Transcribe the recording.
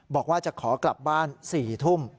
บอกว่าจะขอกลับบ้าน๔ทุ่ม